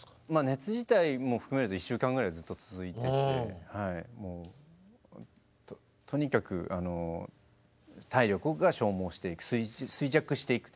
熱自体も含めると１週間ぐらいずっと続いててとにかく体力が消耗していく衰弱していく。